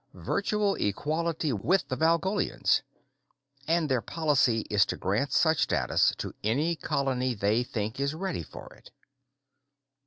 Virtual equality with the Valgolians. And their policy is to grant such status to any colony they think is ready for it."